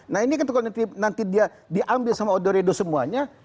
nah ini nanti dia diambil sama odoredo semuanya